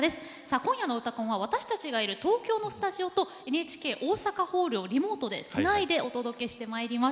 今夜の「うたコン」は私たちがいる東京のスタジオとＮＨＫ大阪ホールをリモートでつないでお届けします。